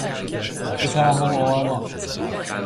به ترحم آوردن